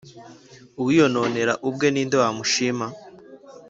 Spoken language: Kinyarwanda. Uwiyononera ubwe, ni nde wamushima?